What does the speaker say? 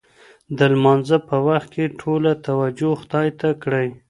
د لمانځه په وخت کې ټوله توجه خدای ته کړئ.